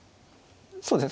そうですね。